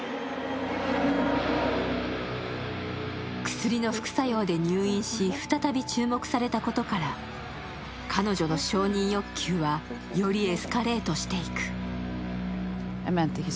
薬の副作用で入院し、再び注目されたことから、彼女の承認欲求は、よりエスカレートしていく。